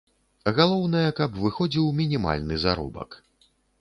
Галоўнае, каб выходзіў мінімальны заробак.